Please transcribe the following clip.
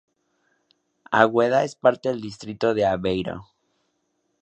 Águeda es parte del distrito de Aveiro.